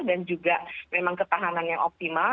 dan juga memang ketahanan yang optimal